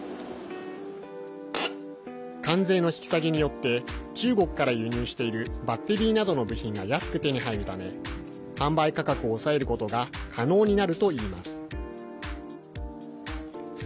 関税の引き下げによって中国から輸入しているバッテリーなどの部品が安く手に入るため販売価格を抑えることが可能になるといいます。